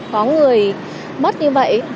có người mất như vậy